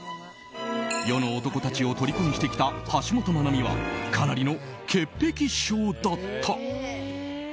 世の男たちを虜にしてきた橋本マナミはかなりの潔癖症だった。